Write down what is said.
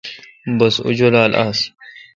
بس اوں جولال آس